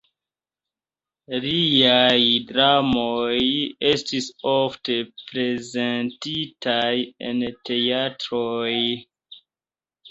Liaj dramoj estis ofte prezentitaj en teatroj.